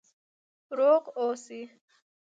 روغ اوسئ؟